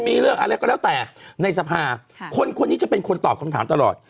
มีเรื่องอะไรก็แล้วแต่ในสภาคนคนนี้จะเป็นคนตอบคำถามตลอด